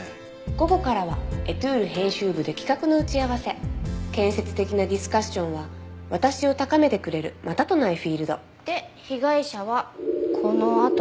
「午後からは『エトゥール』編集部で企画の打ち合せ」「建設的なディスカッションは私を高めてくれるまたとないフィールド」で被害者はこのあと殺された。